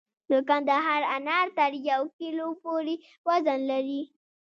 د کندهار انار تر یو کیلو پورې وزن لري.